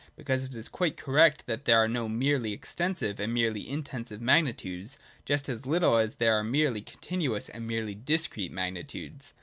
Besides it is quite cor rect that there are no merely Extensive and merely Intensive magnitudes, just as little as there are merely continuous and merely discrete magnitudes.